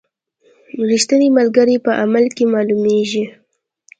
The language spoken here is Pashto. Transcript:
رښتینی ملګری په عمل کې معلومیږي.